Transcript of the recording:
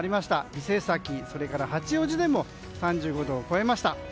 伊勢崎、それから八王子も３５度を超えました。